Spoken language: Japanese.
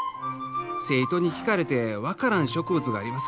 生徒に聞かれて分からん植物があります